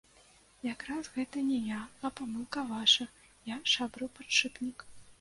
Якраз гэта не я, а памылка ваша, я шабрыў падшыпнік.